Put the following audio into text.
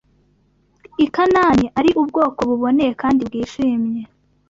i Kanani ari ubwoko buboneye kandi bwishimye